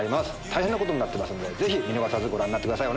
大変なことになってますのでぜひ見逃さずご覧ください。